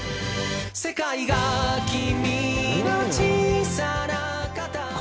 「世界が君の小さな肩に」